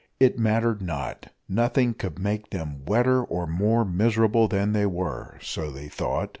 It mattered not nothing could make them wetter or more miserable than they were so they thought.